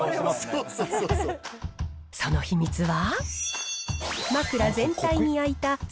その秘密は。